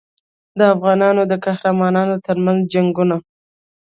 د افغانانو د قهرمانانو ترمنځ جنګونه.